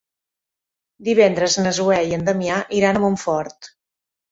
Divendres na Zoè i en Damià iran a Montfort.